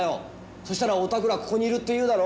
そしたらお宅らここにいるって言うだろ。